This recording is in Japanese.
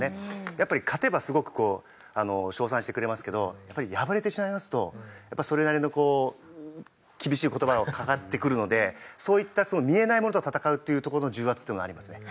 やっぱり勝てばすごく称賛してくれますけどやっぱり敗れてしまいますとそれなりのこう厳しい言葉をかかってくるのでそういった見えないものと戦うっていうとこの重圧っていうのはありますよね。